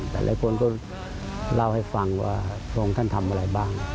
หลายคนก็เล่าให้ฟังว่าพระองค์ท่านทำอะไรบ้าง